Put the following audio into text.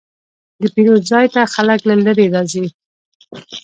د پیرود ځای ته خلک له لرې راځي.